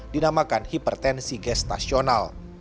dinamakan hipertensi gestasional